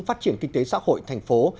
phát triển kinh tế xã hội thành phố